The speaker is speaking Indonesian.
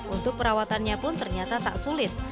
untuk perawatannya pun ternyata tak sulit